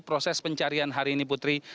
proses pencarian hari ini putri